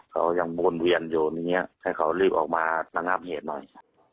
เขายังวนเวียนโยนอย่างนี้ให้เขารีบออกมาระงับเหตุหน่อย